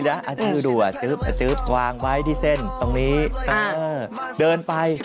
โปรดติดตามตอนต่อไป